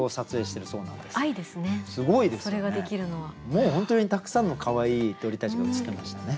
もう本当にたくさんのかわいい鳥たちが映ってましたね。